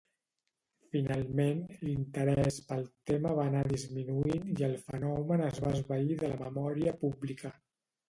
Finalment l'interès pel tema va anar disminuint i el fenomen es va esvair de la memòria pública.